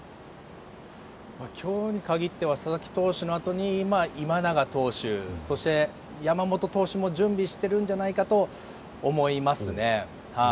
今日に限っては佐々木投手のあとに今永投手、山本投手も準備しているんじゃないかと思いますね。